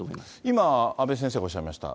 今、阿部先生がおっしゃいました。